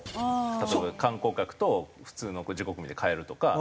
例えば観光客と普通の自国民で変えるとか。